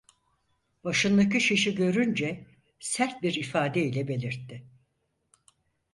Başındaki şişi görünce sert bir ifade ile belirtti: